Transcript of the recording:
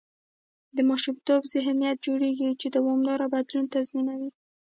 د ماشومتوبه ذهنیت جوړېږي، چې دوامداره بدلون تضمینوي.